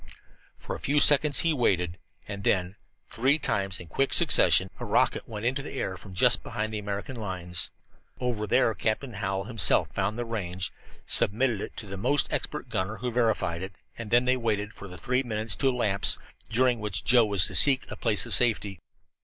For a few seconds he waited, and then, three times in quick succession, a rocket went into the air from just behind the American lines. Over there Captain Hallowell himself found the range, submitted it to his most expert gunner, who verified it, and then they waited for the three minutes to elapse, during which Joe was to seek a place of safety.